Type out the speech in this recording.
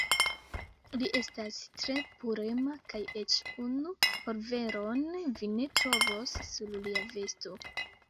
Li estas tre purema, kaj eĉ unu polveron vi ne trovos sur lia vesto.